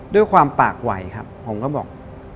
ด้วยความปากไหวครับผมก็บอก